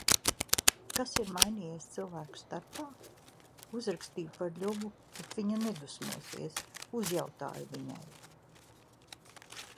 Kas ir mainījies cilvēku starpā? Uzrakstīju par Ļubu, bet viņa nedusmosies. Uzjautāju viņai.